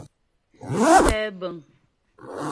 Kɛ́bə̀ŋ.